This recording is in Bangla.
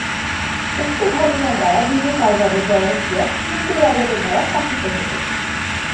উক্ত ঘটনার পর দীর্ঘকাল যাবত জয়ন্তীয়া হিন্দু রাজাদের দ্বারা শাসিত হতো।